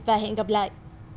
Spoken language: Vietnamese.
và hẹn gặp lại